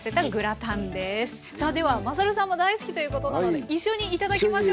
さあではまさるさんも大好きということなので一緒に頂きましょ。